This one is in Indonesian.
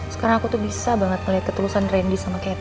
sekarang aku tuh bisa banget ngeliat ketulusan randy sama catering